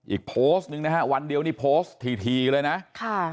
อีกโพสต์หนึ่งนะฮะวันเดียวนี่โพสต์ทีเลยนะค่ะ